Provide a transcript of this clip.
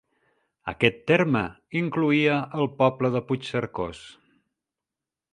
Aquest terme incloïa el poble de Puigcercós.